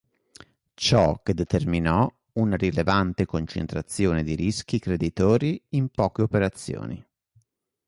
Ciò che determinò una rilevante concentrazione di rischi creditori in poche operazioni.